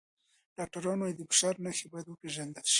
ډاکټران وايي د فشار نښې باید وپیژندل شي.